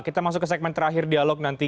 kita masuk ke segmen terakhir dialog nanti